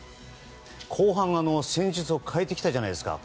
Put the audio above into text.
後半、戦術を変えてきたじゃないですか。